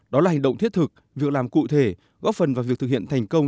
đó là hành động thiết thực việc làm cụ thể góp phần vào việc thực hiện thành công